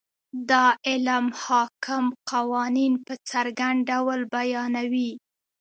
دا علم حاکم قوانین په څرګند ډول بیانوي.